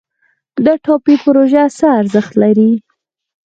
د ټاپي پروژه څه ارزښت لري؟